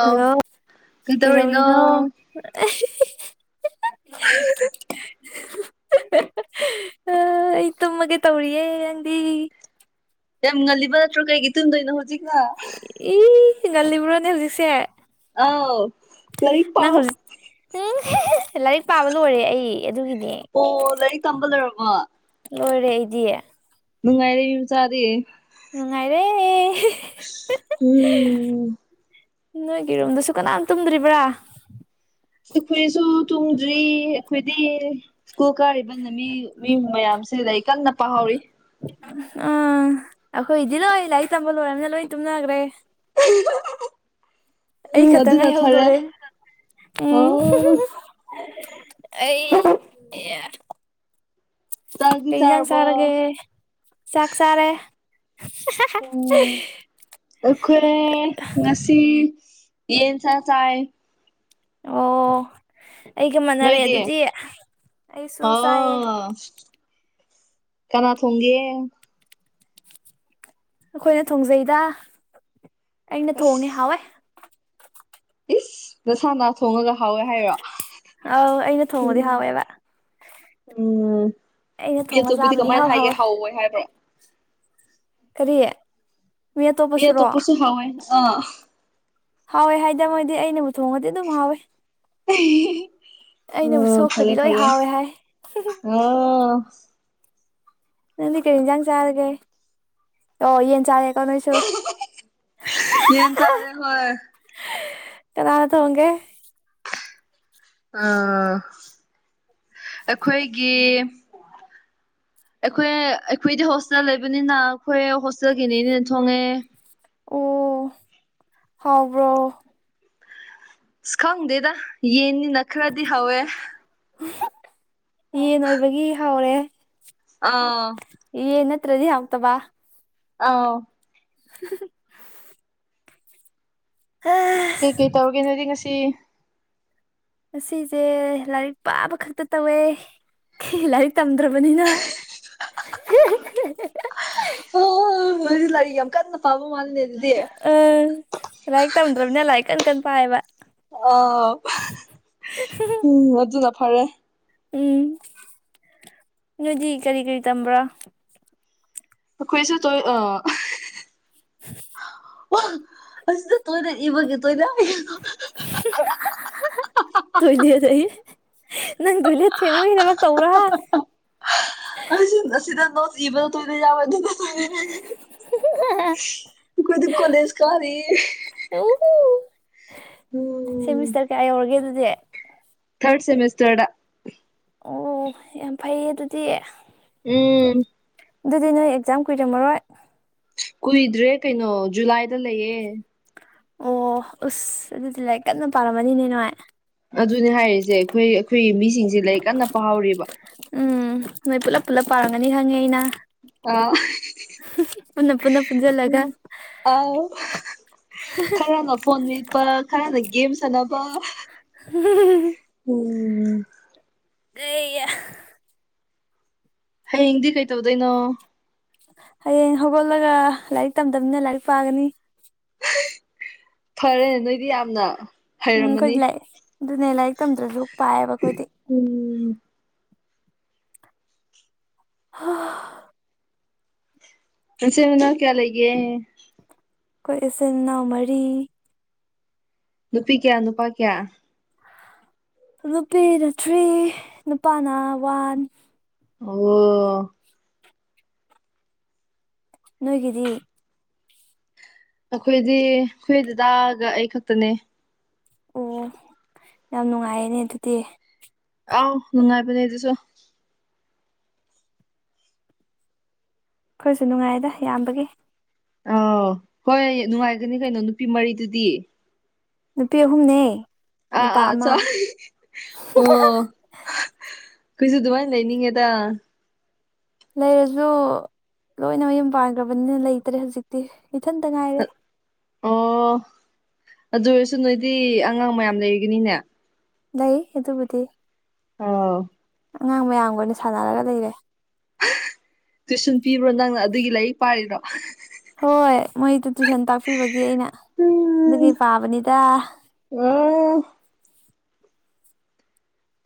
ꯑꯥꯎ ꯍꯜꯂꯣ ꯀꯩꯗꯧꯔꯤꯅꯣ ꯀꯩꯗꯧꯧꯕꯔꯤꯅꯣ [unintelligible] ꯑꯩ ꯇꯨꯝꯃꯒꯦ ꯇꯧꯔꯤꯌꯦ ꯅꯪꯗꯤ ꯌꯥꯝ ꯉꯜꯂꯤꯕ ꯅꯠꯇ꯭ꯔꯣ ꯀꯩꯒꯤ ꯇꯟꯗꯣꯏꯅꯣ ꯍꯧꯖꯤꯛꯅ ꯏ ꯉꯜ ꯨꯔꯅ ꯍꯖꯤꯁꯦ ꯑꯥꯎ ꯂꯥꯏꯔꯤꯛ ꯅꯪ ꯄꯥꯎ ꯍꯧꯖꯤꯛ ꯎꯝ ꯂꯥꯏꯔꯤꯛ ꯄꯥꯕ ꯂꯣꯏꯔꯦ ꯑꯩ ꯑꯗꯨꯒꯤꯅꯦ ꯑꯣ ꯂꯥꯏꯔꯤꯛ ꯇꯝꯕ ꯂꯩꯔꯔꯕ ꯂꯣꯏꯔꯦ ꯑꯩꯗꯤ ꯅꯨꯡꯉꯥꯏꯔ ꯌ ꯆꯗꯦ ꯎꯝ ꯅꯨꯡꯉꯥꯏꯔꯦ ꯅꯣꯏꯒꯤ ꯔꯨꯝꯗꯁꯨ ꯀꯅꯥꯝ ꯇꯨꯝꯗ꯭ꯔꯤꯕ꯭ꯔꯥ ꯑꯩꯈꯣꯏꯁꯨ ꯇꯣꯡꯗ꯭ꯔꯤ ꯑꯩꯈꯣꯏꯗꯤ ꯁ꯭ꯀꯨꯜ ꯀꯥꯔꯤꯕꯅ ꯃꯤ ꯃꯤ ꯃꯌꯥꯝꯁꯤꯗ ꯀꯟꯅ ꯄꯥꯍꯧꯔꯤ ꯎꯝ ꯑꯩꯈꯣꯏꯗꯤ ꯂꯣꯏ ꯂꯥꯏꯔꯤꯛ ꯇꯝꯕ ꯂꯣꯏꯔꯕꯅꯤꯅ ꯂꯣꯏ ꯇꯨꯝꯅꯈ꯭ꯔꯦ ꯑꯩ ꯎꯝ ꯈꯠꯇꯉ ꯑꯗꯨꯅ ꯐꯔꯦ ꯍꯎꯗꯣꯣꯔꯦ ꯎꯝ ꯑꯣ ꯑꯩ ꯆꯥꯛꯇꯤ ꯀꯩꯖꯥꯡ ꯆꯥꯔꯕꯣ ꯁꯔꯒꯦ ꯆꯈ ꯁꯔꯦ ꯎꯈꯔꯦ ꯌꯦꯟ ꯆ ꯆꯥꯏ ꯑꯣ ꯑꯩꯒ ꯃꯥꯟꯅꯔꯦ ꯅꯣꯏꯗꯤ ꯑꯗꯨꯗꯤ ꯑꯩꯁꯨ ꯆꯥꯏꯌꯦ ꯑ ꯀꯅꯥ ꯊ ꯍꯣꯡꯒꯦ ꯑꯩꯈꯣꯏꯅ ꯊꯣꯡꯖꯩꯗ ꯑꯩꯅ ꯊꯣꯡꯉꯦ ꯑꯁ ꯍꯥꯎꯋꯏ ꯏꯁ ꯅꯁꯥꯅꯥ ꯊꯣꯡꯉꯒ ꯍꯥꯎꯋꯦ ꯍꯥꯏꯔꯣ ꯑꯥꯎ ꯑꯩꯅ ꯊꯣꯡꯕꯗꯤ ꯎꯝ ꯍꯥꯎꯋꯦꯕ ꯎꯝ ꯑꯩꯅ ꯃꯤ ꯊꯣꯡꯉ ꯑꯆꯄꯨꯗꯤ ꯆꯥꯕꯗꯤ ꯀꯃꯥꯏꯅ ꯏꯍꯥꯎ ꯍꯥꯏꯒꯦ ꯍꯥꯎꯋꯦ ꯍꯥꯎꯑꯣꯏ ꯍꯥꯏꯕ꯭ꯔꯣ ꯀꯔꯤꯌꯦ ꯃꯤ ꯇ ꯄꯁꯨ ꯍꯥꯏꯋꯥꯣꯏ ꯑ ꯍꯥꯎꯋꯦ ꯍꯥꯏꯗ ꯃꯣꯏꯗꯤ ꯑꯩꯅꯕꯨ ꯊꯣꯡꯉꯗꯤ ꯑꯗꯨꯝ ꯍꯥꯎꯋꯦ ꯑꯩꯅꯕꯨ ꯑꯣ ꯁꯣꯛꯈ꯭ꯔꯗꯤ ꯐꯔꯦ ꯂꯣꯏ ꯐꯔꯦ ꯍꯥꯎꯋꯦ ꯍꯥꯏ ꯑꯣ ꯅꯪꯗꯤ ꯀꯩ ꯌꯦꯟꯖꯥꯡ ꯆꯥꯔꯒꯦ ꯑꯣ ꯌꯦꯟ ꯆꯥꯔꯦ ꯇ ꯆꯣ ꯌꯦꯟ ꯆꯥꯔꯦ ꯍꯣꯏ ꯀꯅꯥꯅꯠꯇ ꯍꯣꯡꯒꯦ ꯑꯥ ꯑꯩꯈꯣꯏꯒꯤ ꯑꯩꯈꯣꯏ ꯑꯩꯈꯣꯏꯗꯤ ꯍꯣꯁꯇꯦꯜ ꯂꯩꯕꯅꯤꯅ ꯑꯩꯈꯣꯏ ꯍꯣꯁꯇꯦꯜꯒꯤꯅꯦꯅꯦꯅ ꯊꯣꯡꯉꯦ ꯑꯣ ꯍꯥꯎꯕ꯭ꯔꯣ ꯑꯁ ꯈꯪꯗꯦꯗ ꯌꯦꯟꯅꯤꯅ ꯈꯔꯗꯤ ꯍꯧꯋꯦ ꯌꯦꯟ ꯑꯣꯏꯕꯒꯤ ꯍꯥꯎꯔꯦ ꯑꯥ ꯌꯦꯟ ꯅꯠꯇꯔꯥꯗꯤ ꯍꯥꯎꯇꯕ ꯑꯥꯎ [unintelligible] [unintelligible] ꯀꯩ ꯀꯩ ꯇꯧꯔꯒꯦ ꯅꯣꯏꯗꯤ ꯉꯁꯤ ꯉꯁꯤꯖꯦ ꯂꯥꯏꯔꯤꯛ ꯄꯥꯕ ꯈꯛꯇ ꯇꯧꯋꯦ ꯂꯥꯏꯔꯤꯛ ꯇꯝꯗ꯭ꯔꯥꯕꯅꯤꯅ ꯑꯣ ꯃꯗꯤ ꯂꯥꯏꯔꯤꯛ ꯌꯥꯝ ꯀꯟꯅ ꯄꯥꯕ ꯃꯥꯜꯂꯅꯦ ꯑꯗꯨꯗꯤ ꯑꯝ ꯂꯥꯏꯔꯤꯛ ꯇꯝꯗ꯭ꯔꯕꯅ ꯂꯥꯏꯔꯤꯛ ꯀꯟ ꯀꯟ ꯄꯥꯏꯌꯦꯕ ꯑꯣ ꯎꯝ ꯑꯗꯨꯅ ꯐꯔꯦ ꯎꯝ ꯅꯣꯏꯗꯤ ꯀꯔꯤ ꯀꯔꯤ ꯇꯝꯕ꯭ꯔꯥ ꯑꯈꯣꯏꯁꯨ ꯇꯣꯏ ꯑꯥ [unintelligible] ꯑꯣ ꯑꯁꯤꯗ ꯇꯣꯏꯅ ꯏꯕꯒꯤ ꯇꯣꯏꯅ [unintelligible] ꯇꯣꯏꯂꯦꯠ ꯑꯥ ꯌꯦ ꯅꯪ ꯇꯣꯏꯂꯦꯠ ꯊꯦꯡꯕꯒꯤ ꯊꯕꯛ ꯇꯧꯕ꯭ꯔꯥ ꯍꯥ ꯑꯁꯤꯗ ꯅꯣꯠꯁ ꯏꯕꯗꯣ ꯇꯣꯏꯂꯦꯠ ꯌꯥꯎꯕ ꯑꯗꯨꯅ ꯑꯈꯣꯏꯗꯤ ꯀꯣꯂꯦꯖ ꯀꯥꯔꯤ ꯑꯣ ꯎꯝ ꯁꯦꯃꯤꯁꯇꯔ ꯀꯌꯥ ꯌꯧꯔꯒꯦ ꯑꯗꯨꯗꯤ ꯊꯥꯔꯠ ꯁꯦꯃꯤꯁꯇꯔꯗ ꯑꯣ ꯌꯥꯝ ꯐꯩꯌꯦ ꯑꯗꯨꯗꯤ ꯎꯝ ꯑꯗꯨꯗꯤ ꯅꯣꯏ ꯑꯦꯛꯖꯥꯝ ꯀꯨꯏꯔꯝꯃꯔꯣꯏ ꯀꯨꯏꯗ꯭ꯔꯦ ꯀꯩꯅꯣ ꯖꯨꯂꯥꯏꯗ ꯂꯩꯌꯦ ꯑꯣ ꯎꯁ ꯑꯗꯨꯗꯤ ꯂꯥꯏꯛ ꯀꯟꯅ ꯄꯥꯔꯝꯃꯅꯤꯅꯦ ꯅꯣꯏ ꯑꯗꯨꯅꯦ ꯍꯥꯏꯔꯤꯖꯦ ꯑꯩꯈꯣꯏ ꯑꯩꯈꯣꯏ ꯃꯤꯁꯤꯡꯁꯦ ꯂꯥꯔꯤꯛ ꯀꯟꯅ ꯄꯥꯍꯥꯎꯔꯤꯕ ꯎꯝ ꯅꯣꯏ ꯄꯨꯂꯞ ꯄꯨꯜꯂꯞ ꯄꯥꯔꯝꯒꯅꯤ ꯈꯪꯉꯦ ꯑꯩꯅ ꯑꯥ ꯄꯨꯟꯅ ꯄꯨꯟꯅ ꯄꯨꯟꯖꯜꯂꯒ ꯑꯥꯎ ꯈꯔꯅ ꯐꯣꯟ ꯃꯦꯠꯄ ꯈꯔꯅ ꯒꯦꯝ ꯁꯥꯟꯅꯕ [unintelligible] ꯑꯣꯝ ꯒꯩꯌꯥ ꯍꯌꯦꯡꯗꯤ ꯀꯩꯇꯧꯗꯣꯏꯅꯣ ꯍꯌꯦꯡ ꯍꯧꯒꯠꯂꯒ ꯂꯥꯏꯔꯤꯛ ꯇꯝꯗꯝꯅꯤꯅ ꯂꯥꯏꯔꯤꯛ ꯄꯥꯒꯅꯤ ꯐꯔꯦ ꯅꯣꯏꯗꯤ ꯌꯥꯝꯅ ꯎꯝ ꯍꯩꯔꯝꯃꯅꯤ ꯑꯩꯈꯣꯏꯗꯤ ꯂꯥꯏꯛ ꯑꯗꯨꯅꯦ ꯂꯥꯏꯔꯤꯛ ꯇꯝꯗ꯭ꯔꯁꯨ ꯄꯥꯏꯑꯕ ꯑꯩꯈꯣꯏꯗꯤ ꯎꯝ ꯍꯥ ꯅꯆꯤꯟ ꯅꯅꯥꯎ ꯀꯌꯥ ꯂꯩꯒꯦ ꯑꯩꯈꯣꯏ ꯏꯆꯤꯟ ꯏꯅꯥꯎ ꯃꯔꯤ ꯅꯨꯄꯤ ꯀꯌꯥ ꯅꯨꯄꯥ ꯀꯌꯥ ꯅꯨꯄꯤꯅ ꯊ꯭ꯔꯤ ꯅꯨꯄꯥꯅ ꯋꯥꯟ ꯑꯣ ꯑꯣ ꯅꯣꯏꯒꯤꯗꯤ ꯑꯩꯈꯣꯏꯗꯤ ꯈꯣꯏ ꯗꯗꯥꯒ ꯑꯩ ꯈꯛꯇꯅꯦ ꯑꯣ ꯌꯥꯝ ꯅꯨꯡꯉꯥꯏꯌꯦꯅꯦ ꯑꯗꯨꯗꯤ ꯑꯥꯎ ꯅꯨꯡꯉꯥꯏꯕꯅꯦ ꯑꯗꯨꯁꯨ ꯑꯩꯈꯣꯏꯁꯨ ꯅꯨꯡꯉꯥꯏꯗ ꯌꯥꯝꯕꯒꯤ ꯑ ꯍꯣꯏ ꯅꯨꯡꯉꯥꯏꯒꯅꯤ ꯀꯩꯅꯣ ꯅꯨꯄꯤ ꯃꯔꯤꯗꯨꯗꯤ ꯅꯨꯄꯤ ꯑꯍꯨꯝꯅꯦ ꯑ ꯅꯨꯄꯥ ꯑꯥ ꯆꯣ ꯑꯃ ꯑꯣ ꯑꯩꯈꯣꯏꯁꯨ ꯑꯗꯨꯃꯥꯏꯅ ꯂꯩꯅꯤꯡꯉꯦꯗ ꯂꯩꯔꯁꯨ ꯂꯣꯏꯅ ꯃꯌꯨꯝ ꯄꯥꯟꯈ꯭ꯔꯕꯅꯤꯅ ꯂꯩꯇ꯭ꯔꯦ ꯍꯧꯖꯤꯛꯇꯤ ꯏꯊꯟꯇ ꯉꯥꯏꯔꯦ ꯑꯣ ꯑꯗꯨ ꯑꯣꯏꯔꯁꯨ ꯅꯣꯏꯗꯤ ꯑꯉꯥꯡ ꯃꯌꯥꯝ ꯂꯩꯒꯅꯤꯅꯦ꯫ ꯂꯩ ꯑꯗꯨꯕꯨꯗꯤ ꯑꯥꯎ ꯑꯉꯥꯡ ꯃꯌꯥꯝꯒ ꯑꯣꯏꯅ ꯁꯥꯟꯅꯔꯒ ꯂꯩꯔꯦ ꯇꯨꯏꯁꯟ ꯄꯤꯕ꯭ꯔꯣ ꯅꯪꯅ ꯑꯗꯨꯒꯤ ꯂꯥꯏꯔꯤꯛ ꯄꯥꯔꯤꯔꯣ ꯍꯣꯏ ꯃꯣꯏꯗꯨ ꯇꯨꯏꯁꯟ ꯇꯥꯛꯄꯤꯕꯒꯤ ꯑꯩꯅ ꯑꯗꯨꯒꯤ ꯎꯝ ꯄꯥꯕꯅꯤꯗ꯫ ꯑꯣ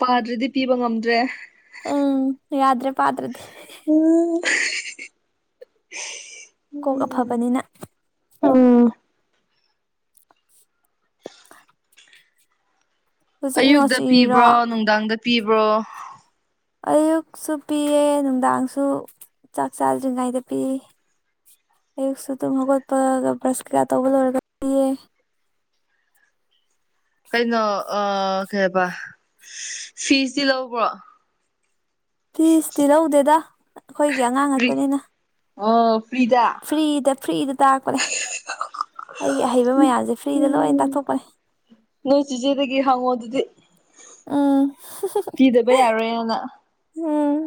ꯄꯥꯗ꯭ꯔꯤꯗꯤ ꯄꯤꯕ ꯉꯝꯗ꯭ꯔꯦ꯫ ꯎꯝ ꯌꯥꯗ꯭ꯔꯦ ꯄꯥꯇꯗ꯭ꯔꯗꯤ꯫ ꯎꯝ ꯀꯣꯛ ꯑꯐꯕꯅꯤꯅ꯫ ꯑꯣ ꯍꯧꯖꯤꯛ ꯑꯌꯨꯛꯇ ꯅꯣꯠꯁ ꯏꯔꯤꯔꯣ ꯄꯤꯕ꯭ꯔꯣ ꯅꯨꯡꯗꯥꯡꯗ ꯄꯤꯕ꯭ꯔꯣ꯫ ꯑꯌꯨꯛꯁꯨ ꯄꯤꯌꯦ ꯅꯨꯡꯗꯥꯡꯁꯨ ꯆꯥꯛ ꯆꯥꯗ꯭ꯔꯤꯉꯩꯗ ꯄꯤ꯫ ꯑꯌꯨꯛ ꯁꯨ ꯇꯨꯝ ꯍꯧꯒꯣꯠꯄꯒ ꯕ꯭ꯔꯁ ꯀꯩꯀꯥ ꯇꯧꯕꯗ ꯑꯣꯏꯔꯒ ꯄꯤꯌꯦ꯫ ꯀꯩꯅꯣ ꯑꯥ ꯀꯩꯍꯥꯏꯕ ꯐꯤꯁꯇꯤ ꯂꯧꯕ꯭ꯔꯣ꯫ ꯐꯤꯁꯇꯤ ꯂꯧꯗꯦꯗ ꯑꯩꯈꯣꯏꯒꯤ ꯑꯉꯥꯡ ꯐ꯭ꯔꯤ ꯉꯥꯛꯇꯅꯤꯅ꯫ ꯑꯣ ꯐ꯭ꯔꯤꯗꯥ ꯐ꯭ꯔꯤꯗ ꯐ꯭ꯔꯤꯗ ꯇꯥꯛꯄꯅꯦ ꯑꯩꯒꯤ ꯑꯍꯩꯕ ꯃꯌꯥꯝꯁꯦ ꯐ꯭ꯔꯤꯗ ꯂꯣꯏꯅ ꯎꯝ ꯇꯥꯛꯊꯣꯛꯄꯅꯦ ꯅꯣꯏ ꯆꯦꯆꯦꯗꯒꯤ ꯍꯪꯉꯣ ꯑꯗꯨꯗꯤ ꯎꯝ ꯄꯤꯗꯕ ꯌꯥꯔꯣꯏꯅ꯫ ꯎꯝ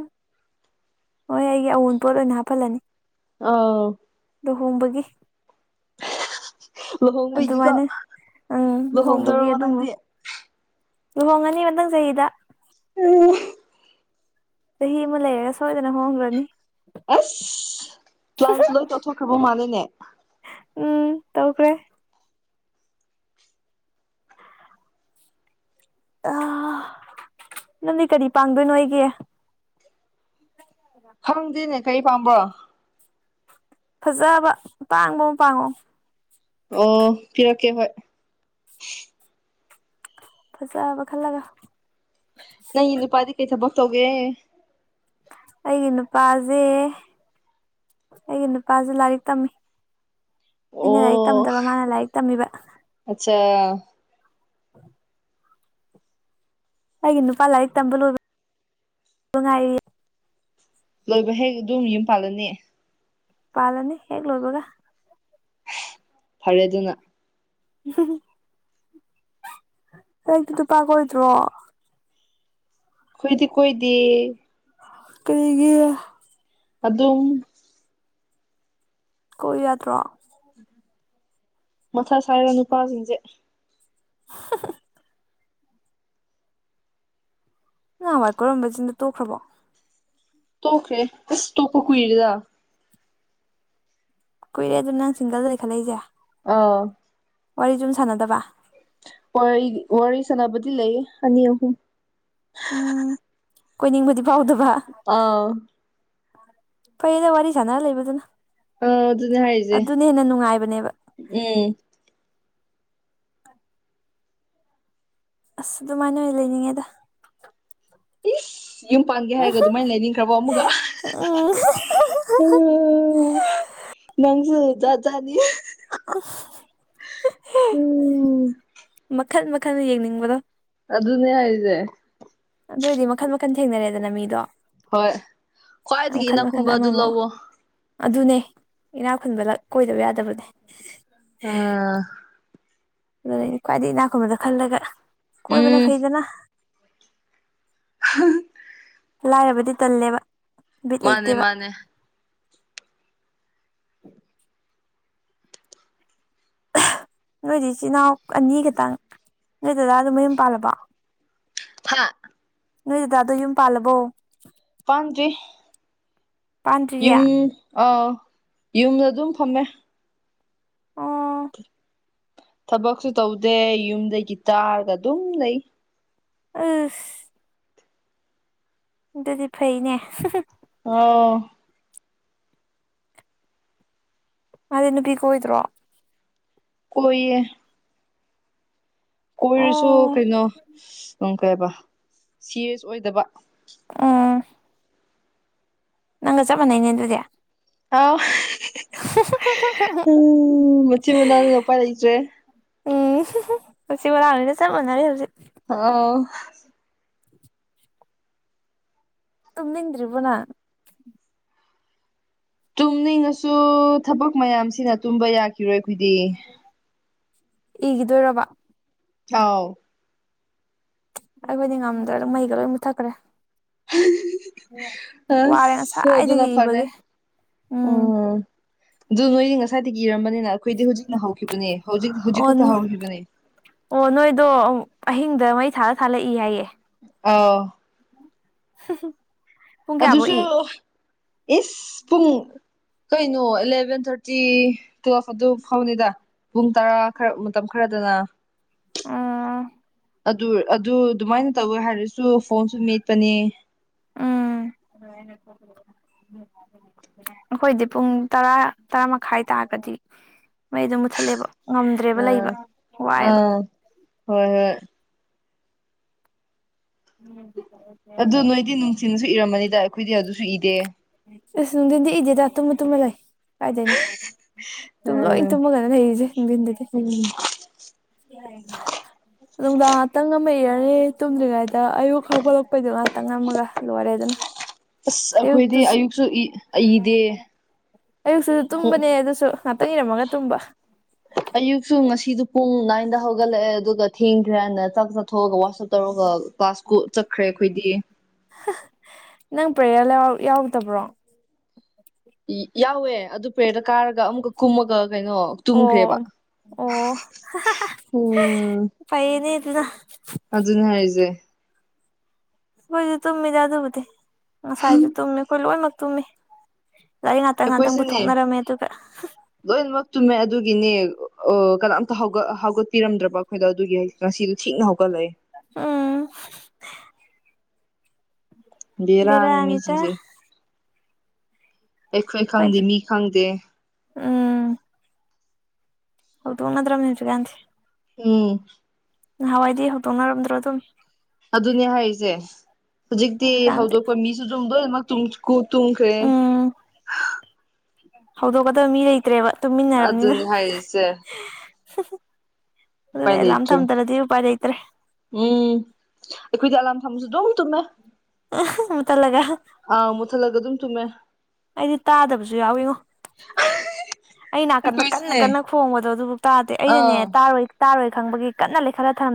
ꯃꯣꯏ ꯑꯩꯒꯤ ꯑꯑꯣꯟ ꯄꯣꯠ ꯑꯣꯏꯅ ꯍꯥꯞꯍꯜꯂꯅꯤ꯫ ꯑꯥꯎ ꯂꯨꯍꯣꯡꯕꯒꯤ ꯂꯨꯍꯣꯡꯕꯒꯤꯀꯣ ꯑꯗꯨꯃꯥꯏꯅ ꯑꯪ ꯂꯨꯍꯣꯡꯕꯒꯤ ꯂꯨꯍꯣꯡꯗꯣꯔꯕꯣ ꯑꯗꯨꯝꯕ ꯅꯪꯗꯤ ꯂꯨꯍꯣꯡꯉꯅꯤ ꯃꯊꯪ ꯆꯍꯤꯗ ꯎꯝ ꯆꯍꯤ ꯑꯃ ꯂꯩꯔꯒ ꯁꯣꯏꯗꯅ ꯍꯣꯡꯈ꯭ꯔꯅꯤ꯫ ꯑꯁ ꯄ꯭ꯂꯥꯟꯁꯨ ꯂꯣꯏ ꯇꯣꯠꯊꯣꯛꯈ꯭ꯔꯕ ꯃꯥꯟꯂꯦꯅꯦ꯫ ꯎꯝ ꯇꯧꯈ꯭ꯔꯦ꯫ ꯑ ꯅꯪꯗꯤ ꯀꯔꯤ ꯄꯥꯡꯗꯣꯏꯅꯣ ꯑꯩꯒꯤ꯫ ꯈꯪꯗꯦꯅꯦ ꯀꯔꯤ ꯄꯥꯝꯕ꯭ꯔꯣ꯫ ꯐꯖꯕ ꯑꯇꯥꯡꯕ ꯑꯃ ꯄꯥꯡꯉꯣ ꯑꯣ ꯄꯤꯔꯛꯀꯦ ꯍꯣꯏ ꯐꯖꯕ ꯈꯜꯂꯒ ꯅꯪꯒꯤ ꯅꯨꯨꯄꯥꯗꯤ ꯀꯩ ꯊꯕꯛ ꯇꯧꯒꯦ꯫ ꯑꯩꯒꯤ ꯅꯨꯄꯥꯁꯦ ꯑꯩꯒꯤ ꯅꯨꯄꯥꯁꯦ ꯂꯥꯏꯔꯤꯛ ꯇꯝꯃꯤ꯫ ꯑꯩꯅ ꯂꯥꯏꯔꯤꯛ ꯇꯝꯗꯕ ꯃꯥꯅ ꯂꯥꯏꯔꯤꯛ ꯇꯝꯃꯤꯕ꯫ ꯑꯆꯥ ꯎ [unintelligible] ꯑꯩꯒꯤ ꯅꯨꯄꯥ ꯂꯥꯏꯔꯤꯛ ꯇꯝꯕ ꯂꯣꯏꯕ ꯉꯥꯏꯔꯤ꯫ ꯂꯣꯏꯕ ꯍꯦꯛ ꯑꯗꯨꯝ ꯌꯨꯝ ꯄꯥꯜꯂꯅꯤ꯫ ꯄꯜꯂꯅꯤ ꯍꯦꯛ ꯂꯣꯏꯕꯒ꯫ ꯐꯔꯦ ꯑꯗꯨꯅ ꯅꯪꯗꯤ ꯅꯨꯄꯥ ꯀꯣꯏꯗ꯭ꯔꯣ꯫ ꯑꯩꯈꯣꯏꯗꯤ ꯀꯣꯏꯗꯦ꯫ ꯀꯔꯤꯒꯤ꯫ ꯑꯗꯨꯝ꯫ ꯀꯣꯏꯌꯨ ꯌꯥꯗ꯭ꯔꯣ꯫ ꯃꯊꯥ ꯁꯥꯏ ꯅꯨꯄꯥꯁꯤꯡꯁꯦ꯫ [inaudible] ꯅꯍ ꯋꯥꯏ ꯀꯣꯏꯔꯝꯕ ꯆꯤꯟꯗꯣ ꯇꯣꯛꯈ꯭ꯔꯕꯣ꯫ ꯇꯣꯈꯔꯦ ꯑꯁ ꯇꯣꯛꯄ ꯀꯨꯏꯔꯗꯥ꯫ ꯀꯨꯏꯔꯦꯗꯅ ꯁꯤꯡꯒꯜꯗ ꯈꯠꯂꯛꯏꯁꯦ꯫ ꯑꯥ꯫ ꯋꯥꯔꯤ ꯁꯨ ꯁꯥꯟꯅꯗꯕ꯫ ꯋꯥꯔꯤ ꯋꯥꯔꯤ ꯁꯥꯟꯅꯕꯗꯤ ꯂꯩꯌꯦ ꯑꯅꯤ ꯑꯍꯨꯝ꯫ ꯎꯝ ꯀꯣꯏꯅꯤꯡꯕꯗꯤ ꯐꯥꯎꯗꯕ꯫ ꯑꯥ꯫ ꯐꯩꯌꯦꯅ ꯋꯥꯔꯤ ꯁꯥꯟꯅꯔ ꯂꯩꯕꯗꯨꯅ꯫ ꯑ ꯑꯗꯨꯅꯦ ꯍꯥꯏꯁꯦ ꯑꯗꯨꯅ ꯍꯦꯟꯅ ꯅꯨꯡꯉꯥꯏꯕꯅꯦꯕ ꯎꯝ ꯑꯁ ꯑꯗꯨꯃꯥꯏꯅ ꯑꯣꯏꯅ ꯂꯩꯅꯤꯡꯉꯦꯗ꯫ ꯏꯁ ꯌꯨꯝ ꯄꯥꯟꯒꯦ ꯍꯥꯏꯔꯒ ꯑꯗꯨꯃꯥꯏꯅ ꯂꯩꯅꯤꯡꯈ꯭ꯔꯕꯣ ꯑꯃꯒ ꯎ ꯅꯪꯁꯨ ꯖꯥꯠ ꯖꯥꯠꯅꯤ ꯎꯝ ꯃꯈꯜ ꯃꯈꯜ ꯌꯦꯡꯅꯤꯡꯕꯗꯣ꯫ ꯑꯗꯨꯅꯦ ꯍꯥꯏꯁꯦ꯫ ꯑꯗꯨꯑꯣꯏꯗꯤ ꯃꯈꯟ ꯃꯈꯟ ꯊꯦꯡꯅꯔꯦꯗꯅ ꯃꯤꯗꯣ꯫ ꯍꯣꯏ ꯈ꯭ꯋꯥꯏꯗꯒꯤ ꯃꯈꯜ ꯃꯈꯜ ꯏꯅꯛꯈꯨꯝꯕ ꯑꯗꯨ ꯑꯃꯃꯨꯛ ꯂꯧꯋꯣ꯫ ꯑꯗꯨꯅꯦ ꯏꯅꯥ ꯈꯨꯟꯕ ꯀꯣꯏꯗꯕ ꯌꯥꯗꯕꯅꯦ꯫ ꯎꯝ꯫ ꯑꯗꯨꯅꯦ ꯈ꯭ꯋꯥꯏꯗꯗꯒꯤ ꯏꯅꯥꯛ ꯈꯨꯟꯕꯗꯨ ꯈꯜꯂꯒ ꯀꯣꯏꯕꯅ ꯎꯝ ꯐꯩꯗꯅ꯫ [inaudible] ꯂꯥꯏꯔꯕꯗꯤ ꯇꯜꯂꯦꯕ꯫ ꯕꯤꯠ ꯃꯥꯅꯦ ꯂꯩꯇꯦꯕ ꯃꯥꯅꯦ꯫ ꯅꯣꯏꯗꯤ ꯏꯆꯤꯜ ꯏꯅꯥꯎ ꯑꯅꯤ ꯈꯛꯇꯪ ꯅꯣꯏꯗꯨꯗ ꯑꯗꯨꯝ ꯃꯌꯨꯝ ꯄꯥꯜꯂꯕꯣ꯫ ꯐꯥ꯫ ꯅꯣꯏ ꯗꯥꯗꯣ ꯌꯨꯝ ꯄꯥꯜꯂꯕꯣ꯫ ꯄꯥꯟꯗꯔꯤ꯫ ꯄꯥꯟꯗ꯭ꯔꯤꯌꯦ ꯌꯨꯝ ꯑꯥꯎ ꯌꯨꯝꯗ ꯑꯗꯨꯝ ꯐꯝꯃꯦ꯫ ꯑꯥ꯫ ꯊꯕꯛꯁꯨ ꯇꯧꯗꯦ ꯌꯨꯝꯗꯒꯤ ꯇꯥꯔꯒ ꯑꯗꯨꯝ ꯂꯩ꯫ ꯑꯥꯁ ꯑꯗꯨꯗꯤ ꯐꯩꯅꯦ꯫ ꯑꯣꯥꯎ ꯃꯥꯗꯤ ꯅꯨꯄꯤ ꯀꯣꯏꯗ꯭ꯔꯣ꯫ ꯀꯣꯏꯌꯦ꯫ ꯀꯣꯏꯔꯁꯨ ꯑꯣ ꯀꯩꯅꯣ ꯎꯝ ꯀꯩꯕ ꯁꯤꯔꯁ ꯑꯣꯏꯗꯕ꯫ ꯑꯥ꯫ ꯅꯪꯒ ꯆꯥꯄ ꯃꯥꯟꯅꯩꯅꯦ ꯑꯗꯨꯗꯤ꯫ ꯑꯥꯎ ꯎꯝ ꯃꯆꯤꯟ ꯃꯅꯥꯎꯅ ꯎꯄꯥꯏ ꯂꯩꯇ꯭ꯔꯦ꯫ ꯎꯝ ꯃꯥꯆꯤꯟ ꯃꯅꯧ ꯅꯤꯅ ꯆꯥꯞ ꯃꯅꯔꯦ ꯍꯧꯖꯤ꯫ ꯍꯥꯎ ꯇꯨꯝꯅꯤꯡꯗ꯭ꯔꯤꯕꯣ ꯅꯪ ꯇꯨꯝꯅꯤꯡꯉꯁꯨ ꯊꯕꯛ ꯃꯌꯥꯝꯁꯤꯅ ꯇꯨꯝꯕ ꯌꯥꯈꯤꯔꯣꯏ ꯑꯩꯈꯣꯏꯗꯤ ꯏꯒꯤꯗꯣꯏꯔꯕ ꯍꯥꯎ ꯑꯩꯈꯣꯏꯗꯤ ꯉꯝꯗ꯭ꯔꯦ ꯑꯗꯨ ꯃꯩꯒ ꯂꯣꯏ ꯃꯨꯊꯠꯈ꯭ꯔꯦ ꯋꯥꯔꯦ ꯑꯁ ꯗꯨꯅ ꯉꯁꯥꯏꯗꯒꯤ ꯐꯔꯦ ꯏꯕꯒꯤ ꯎꯝ ꯑꯗꯨ ꯅꯣꯏꯗꯤ ꯉꯁꯥꯏꯗꯒꯤ ꯏꯔꯝꯕꯅꯤꯅ ꯑꯩꯈꯣꯏꯗꯤ ꯍꯧꯖꯤꯛꯅ ꯍꯧꯈꯤꯕꯅꯦ ꯍꯧꯖꯤꯛ ꯍꯧꯖꯤꯛ ꯑꯣ ꯈꯛꯇ ꯍꯧꯈꯤꯕꯅꯦ ꯑꯣ ꯅꯣꯏꯗꯣ ꯑꯍꯤꯡꯗ ꯃꯩ ꯊꯥꯜ ꯂ ꯊꯥꯜ ꯂ ꯏ ꯍꯥꯏꯌꯦ ꯑꯥꯎ [unintelligible] ꯄꯨꯡ ꯀꯌꯥꯐꯧ ꯑꯗꯨꯁꯨ ꯏ ꯏꯁ ꯄꯨꯡ ꯀꯩꯅꯣ ꯑꯦꯂꯦꯚꯦꯟ ꯊꯥꯔꯇꯤ ꯇꯨꯋꯦꯜꯐ ꯑꯗꯨ ꯐꯥꯎꯅꯤꯗ ꯄꯨꯡ ꯇꯔꯥ ꯈꯔ ꯃꯇꯝ ꯈꯔꯗꯅ ꯑ‌ꯣ ꯑꯗꯨ ꯑꯗꯨ ꯑꯗꯨꯃꯥꯏꯅ ꯇꯧꯋꯦ ꯍꯥꯏꯔꯁꯨ ꯐꯣꯟꯁꯨ ꯃꯦꯠꯄꯅꯦ ꯎꯝ ꯑꯩꯈꯣꯏꯗꯤ ꯄꯨꯡ ꯇꯔꯥ ꯇꯔꯥ ꯃꯈꯥꯏ ꯇꯥꯔꯒꯗꯤ ꯃꯩ ꯑꯗꯨꯝ ꯃꯨꯠꯊꯠꯂꯦꯕ ꯉꯝꯗ꯭ꯔꯦꯕ ꯑꯥ ꯂꯩꯕ ꯋꯥꯏꯑꯦꯕ ꯑꯥ ꯍꯣꯏ ꯍꯣꯏ [unintelligible] ꯑꯗꯨ ꯅꯣꯏꯗꯤ ꯅꯨꯡꯊꯤꯅꯁꯨ ꯏꯔꯝꯃꯅꯤꯗ ꯑꯩꯈꯣꯏꯗꯤ ꯑꯗꯨꯁꯨ ꯏꯗꯦ ꯏꯁ ꯅꯨꯡꯊꯤꯟꯗꯤ ꯏꯗꯦꯗ ꯇꯨꯝꯃ ꯇꯨꯝꯃ ꯂꯩ ꯀꯥꯏꯗꯩꯅꯣ ꯇꯨꯝ ꯂꯣꯏ ꯎꯝ ꯇꯨꯝꯃꯒꯅ‌ꯦ ꯂꯩꯔꯤꯖ‌ꯦ ꯅꯨꯡꯗꯤꯟꯗꯗꯤ ꯎꯝ [unintelligible] ꯅꯨꯡꯗꯥꯡ ꯉꯥꯛꯇꯪ ꯑꯃ ꯥꯏꯔꯅꯤ ꯇꯨꯝꯗ꯭ꯔꯤꯉꯩꯗ ꯑꯌꯨꯛ ꯍꯧꯒꯠꯂꯛꯄꯩꯗꯣ ꯉꯍꯥꯛꯇꯪ ꯑꯝꯃꯥꯒ ꯂꯣꯏꯔꯦ ꯑꯗꯨꯅ ꯑꯁ ꯑꯩꯈꯣꯏꯗꯤ ꯑꯌꯨꯛꯇꯨꯁꯨ ꯑꯌꯨꯛꯁꯨ ꯏ ꯏꯗꯦ ꯑꯌꯨꯛꯁꯨ ꯇꯨꯝꯕꯅꯦ ꯑꯗꯨꯁꯨ ꯉꯥꯛꯇꯪ ꯏꯔꯝꯃꯒ ꯇꯨꯝꯕ ꯑꯌꯨꯛꯁꯨ ꯉꯁꯤꯗꯨ ꯄꯨꯡ ꯅꯥꯏꯟꯗ ꯍꯧꯒꯠꯂꯛꯑꯦ ꯑꯗꯨꯒ ꯊꯦꯡꯈ꯭ꯔꯦ ꯍꯥꯏꯅ ꯆꯥꯛ ꯆꯥ ꯊꯣꯛꯑꯒ ꯋꯥꯁꯥ ꯇꯧꯔꯒ ꯀ꯭ꯂꯥꯁ ꯀꯨ ꯆꯠꯈ꯭ꯔꯦ ꯑꯩꯈꯣꯏꯗꯤ ꯅꯪ ꯄ꯭ꯔꯦꯌꯥꯔ ꯂꯥꯎ ꯌꯥꯎꯔꯗꯕ꯭ꯔꯣ ꯌꯥꯎꯋꯦ ꯑꯗꯨ ꯄꯦꯔꯗ ꯀꯥꯔꯒ ꯑꯃꯨꯛꯀ ꯀꯨꯝꯃꯒ ꯀꯩꯅꯣ ꯇꯨꯝꯈ꯭ꯔꯦꯕ ꯑꯣ ꯑꯣ ꯎꯝ ꯐꯩꯌ‌ꯦꯅꯦ ꯑꯗꯨꯅ ꯑꯗꯨꯅꯦ ꯍꯥꯏꯖ‌ꯦ ꯑꯈꯣꯏꯁꯨ ꯇꯨꯝꯃꯤꯗꯤ ꯑꯗꯨꯕꯨꯗꯤ ꯉꯁꯥꯏꯖꯨ ꯇꯨꯝꯃꯤ ꯑꯩꯈꯣꯏ ꯂꯣꯏꯃꯛ ꯇꯨꯝꯃꯤ ꯂꯒꯥꯔꯤꯛ ꯉꯥꯛꯇꯪ ꯉꯥꯛꯇꯪ ꯑꯩꯈꯣꯏꯁꯤꯅꯦ ꯄꯨꯊꯣꯛꯅꯔꯝꯃꯦ ꯑꯗꯨꯒ ꯂꯣꯏꯅꯃꯛ ꯇꯨꯝꯃꯦ ꯑꯗꯨꯒꯤꯅꯦ ꯑ ꯀꯅꯥꯝꯇ ꯍꯧꯒꯠ ꯍꯩꯒꯠꯄꯤꯔꯝꯗ꯭ꯔꯕ ꯑꯩꯈꯣꯏꯗ‌ꯣ ꯑꯗꯨꯒꯤ ꯉꯁꯤ ꯊꯤꯡꯅ ꯍꯧꯒꯠꯂꯛꯑꯦ ꯎꯝ ꯕꯦꯔꯥꯅꯤ ꯕ‌ꯦꯔꯥꯅꯤꯗ ꯃꯤꯁꯤꯡꯁꯦ ꯑꯩꯈꯣꯏ ꯈꯪꯗꯦ ꯑꯩꯈꯣꯏꯗꯤ ꯃꯤ ꯈꯪꯗꯦ ꯎꯝ ꯍꯧꯗ‌ꯣꯛꯅꯗ꯭ꯔꯝ ꯅ‌ꯦ ꯍꯧꯖꯤꯛꯀꯥꯟꯗꯤ ꯎꯝ ꯅꯍꯥꯋꯥꯏꯗꯤ ꯍꯧꯗꯣꯛꯅꯔꯝꯗ꯭ꯔꯣ ꯑꯗꯨꯝ ꯑꯗꯨꯅꯦ ꯍꯥꯏꯖ‌ꯦ ꯍꯧꯖꯤꯛꯇꯤ ꯍꯧꯖꯤꯛꯀꯥꯟꯗꯤ ꯍꯧꯗꯣꯛꯄ ꯃꯤꯁꯨ ꯑꯗꯨꯝ ꯂꯣꯏꯅꯃꯛ ꯇꯨꯝ ꯀ‌ꯣ ꯇꯨꯝꯈꯔ‌ꯦ ꯎꯝ ꯍꯧꯗꯣꯛꯀꯗꯕ ꯃꯤ ꯂꯩꯇ꯭ꯔꯦꯕ ꯇꯨꯝꯃꯤꯟꯅꯔꯝꯅꯤꯅ ꯑꯗꯨꯅꯤ ꯍꯥꯏꯔꯤꯁꯦ ꯑꯗꯨꯅꯦ ꯎꯄꯥꯏ ꯑꯦꯂꯥꯝ ꯂꯩꯇ꯭ꯔꯦ ꯊꯝꯗ꯭ꯔꯥꯗꯤ ꯎꯄꯥꯏ ꯂꯩꯇꯔ‌ꯦ ꯎꯝ ꯑꯩꯈꯣꯏꯗꯤ ꯑꯦꯂꯥꯝ ꯊꯝꯃꯁꯨ ꯑꯗꯨꯝ ꯇꯨꯃꯃꯦ ꯃꯨꯊꯠꯂꯒꯥ ꯑꯥꯎ ꯃꯨꯠꯊꯠꯂꯒ ꯑꯗꯨꯝ ꯇꯨꯝꯃꯦ ꯑꯩꯗꯤ ꯇꯥꯗꯕꯁꯨ ꯌꯥꯎꯋꯦꯉꯣ ꯑꯩ ꯅꯥꯀꯟꯗ ꯀꯟꯅ ꯑꯩꯈꯣꯏꯁꯤꯅꯦ ꯀꯟꯅ ꯈꯣꯡꯕꯗꯣ ꯑꯗꯨꯐꯥꯎ ꯇꯥꯗꯦ ꯑꯩꯅꯅꯦ ꯑꯥ ꯇꯥ ꯇꯥꯔꯣꯏ ꯈꯪꯕꯒꯤ ꯀꯟꯅꯥ ꯂꯩꯈꯠꯂꯥ ꯊꯝꯃꯦ